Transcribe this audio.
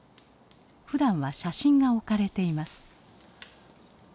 ふだんは写真が置かれています。